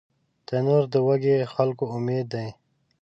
تنور د وږي خلکو امید دی